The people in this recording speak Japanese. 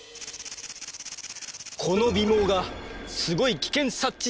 この尾毛がすごい危険察知